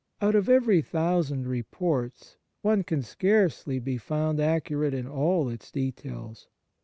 Out of every thousand reports one can scarcely be found accurate in all its details.